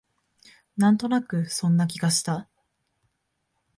なんとなくそんな気がした